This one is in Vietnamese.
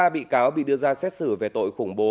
năm mươi ba bị cáo bị đưa ra xét xử về tội khủng bố